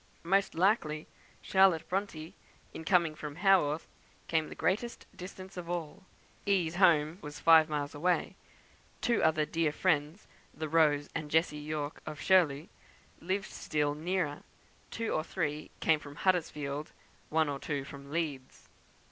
Most likely Charlotte Bronte, in coming from Haworth, came the greatest distance of all. "E.'s" home was five miles away; two other dear friends (the Rose and Jessie Yorke of "Shirley") lived still nearer; two or three came from Huddersfield; one or two from Leeds.